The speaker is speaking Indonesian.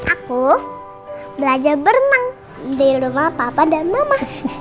aku belajar berenang di rumah papa dan mama